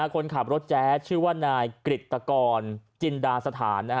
คนขับรถแจ๊ดชื่อว่านายกริตกรจินดาสถาน